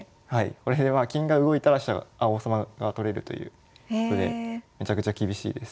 これは金が動いたら王様が取れるということでめちゃくちゃ厳しいです。